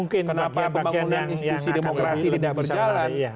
kenapa pembangunan institusi demokrasi tidak berjalan